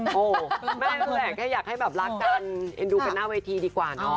แม้นั่นแหละแค่อยากให้รักกันดูกันหน้าเวทีดีกว่าเนอะ